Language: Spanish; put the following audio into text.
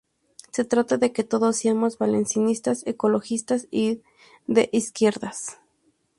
Se trata de que todos seamos valencianistas, ecologistas y de izquierdas".